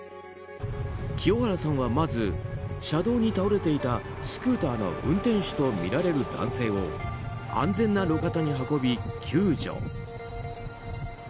清原さんは、まず車道に倒れていたスクーターの運転手とみられる男性を安全な路肩に運び救助。